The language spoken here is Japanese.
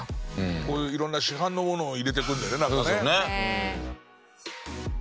こういういろんな市販のものを入れていくんだよねなんかね。